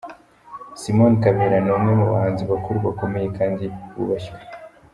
Simon Kabera, ni umwe mu bahanzi bakuru, bakomeye kandi bubashywe.